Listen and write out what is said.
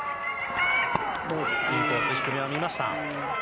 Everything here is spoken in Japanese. インコース、低め、見ました。